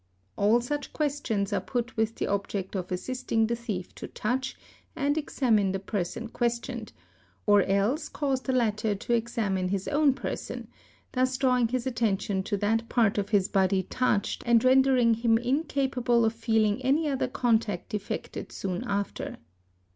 All such questions are put with the object of assisting the thief a to touch and examine the person questioned, or else cause the latter to 4 examine his own person, thus drawing his attention to that part of his _ body touched and rendering him incapable of feeling any other contact ; effected soon after.